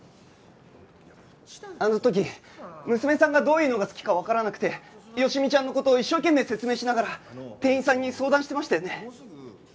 あの時娘さんがどういうのが好きかわからなくて好美ちゃんの事を一生懸命説明しながら店員さんに相談してましたよね？